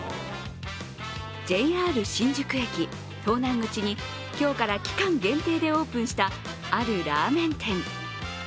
ＪＲ新宿駅東南口に今日から期間限定でオープンしたあるラーメン店。